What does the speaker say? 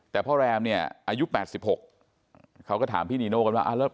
แต่พ่อแรมเนี่ยอายุ๘๖เขาก็ถามพี่นีโน่กันว่า